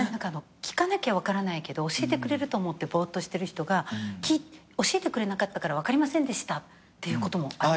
聞かなきゃ分からないけど教えてくれると思ってぼーっとしてる人が「教えてくれなかったから分かりませんでした」ってことも。